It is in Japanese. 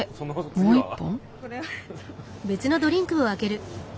もう一本？